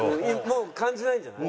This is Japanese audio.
もう感じないんじゃない？